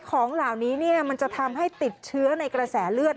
ของเหล่านี้มันจะทำให้ติดเชื้อในกระแสเลือด